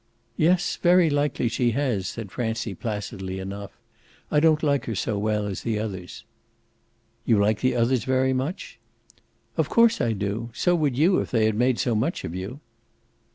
"Yes, very likely she has," said Francie placidly enough. "I don't like her so well as the others." "You like the others very much?" "Of course I do. So would you if they had made so much of you."